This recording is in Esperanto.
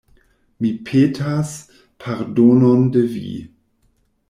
Mi petas pardonon de vi.